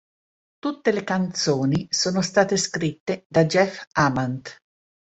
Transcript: Tutte le canzoni sono state scritte da Jeff Ament.